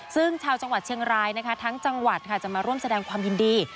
ซึ่งชาวจังหวัดเชียงรายนะคะทั้งจังหวัดค่ะจะมาร่วมแสดงความยินดี